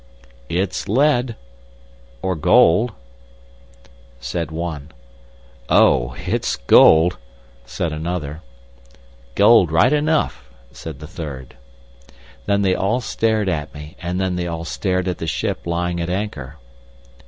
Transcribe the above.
"It's lead, or gold!" said one. "Oh, it's gold!" said another. "Gold, right enough," said the third. Then they all stared at me, and then they all stared at the ship lying at anchor.